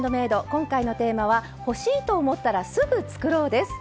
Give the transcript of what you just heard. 今回のテーマは「欲しい！と思ったらすぐ作ろう」です。